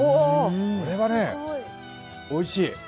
これはね、おいしい。